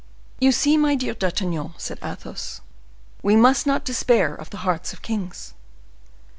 "You see, my dear D'Artagnan," said Athos, "we must not despair of the hearts of kings."